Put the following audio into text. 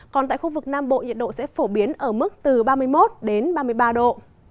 còn tại khu vực nam bộ nhiệt độ sẽ phổ biến ở mức từ ba mươi một đến ba mươi ba độ